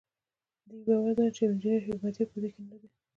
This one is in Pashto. دوی باور درلود چې يو انجنير حکمتیار په دوی کې نر دی.